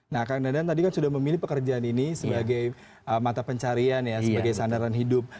nah kang dadan tadi kan sudah memilih pekerjaan ini sebagai mata pencarian ya sebagai sandaran hidup